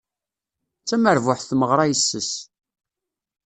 D tamerbuḥt tmeɣra yes-s.